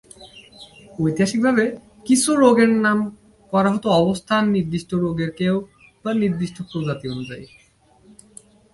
ঐতিহাসিকভাবে কিছু রোগের নাম করা হত অবস্থান, নির্দিষ্ট আক্রান্ত কেউ বা নির্দিষ্ট প্রজাতি অনুযায়ী।